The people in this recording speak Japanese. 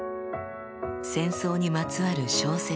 戦争にまつわる小説